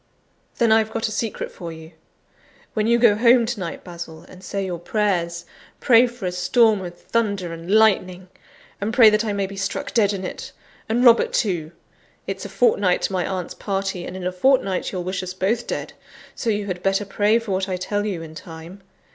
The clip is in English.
then I've got a secret for you. When you go home to night, Basil, and say your prayers, pray for a storm of thunder and lightning; and pray that I may be struck dead in it, and Robert too. It's a fortnight to my aunt's party; and in a fortnight you'll wish us both dead, so you had better pray for what I tell you in time.